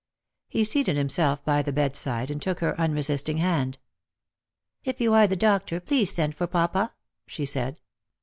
He seated himself by the bedside, and took her unresisting hand. '' If you are the doctor, please send for papa,'' she said.